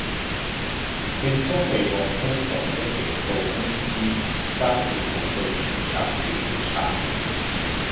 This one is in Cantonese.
並將未獲遵從的警告通知交付土地註冊處註冊